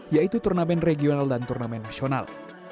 yaitu turnamen regional dan turnamen nasional